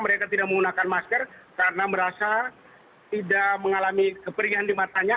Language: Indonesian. mereka tidak menggunakan masker karena merasa tidak mengalami keperingan di matanya